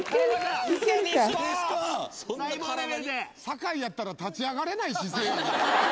酒井やったら立ち上がれない姿勢やぞ。